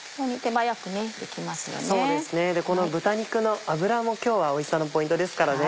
この豚肉の脂も今日はおいしさのポイントですからね。